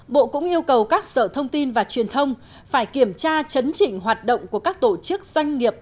bộ cũng yêu cầu các sở thông tin và truyền thông phải kiểm tra chấn chỉnh hoạt động của các tổ chức doanh nghiệp